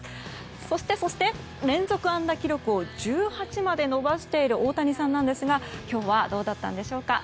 そしてそして、連続安打記録を１８まで伸ばしている大谷さんなんですが今日はどうだったんでしょうか。